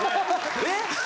えっ？